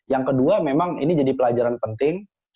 yang kedua memang ini jadi pelajaran penting